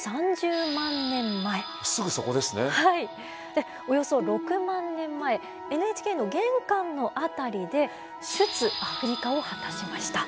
でおよそ６万年前ＮＨＫの玄関の辺りで出・アフリカを果たしました。